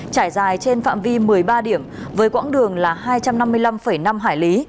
trải dài trên phạm vi một mươi ba điểm với quãng đường là hai trăm năm mươi năm năm hải lý